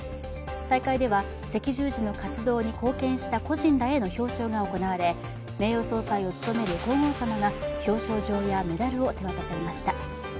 大会では赤十字の活動に貢献した個人らへの表彰が行われ名誉総裁を務める皇后さまが表彰状やメダルを手渡されました。